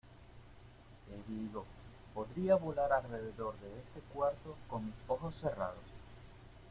¡ Te digo, podría volar alrededor de este cuarto con mis ojos cerrados!